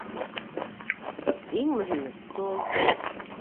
Иң мөһиме - тол.